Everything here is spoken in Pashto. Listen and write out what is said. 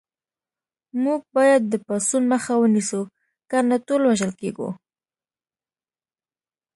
موږ باید د پاڅون مخه ونیسو کنه ټول وژل کېږو